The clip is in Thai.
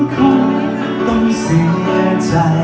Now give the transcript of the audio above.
ฉันควรต้องเสียใจ